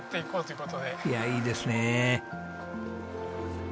いやあいいですね。